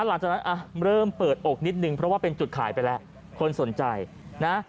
หลังจากนั้นอ่ะเริ่มเปิดอกนิดนึงเพราะว่าเป็นจุดขายไปแล้วคนสนใจนะ